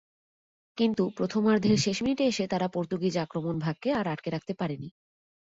কিন্তু প্রথমার্ধের শেষ মিনিটে এসে তাঁরা পর্তুগিজ আক্রমণভাগকে আর আটকে রাখতে পারেনি।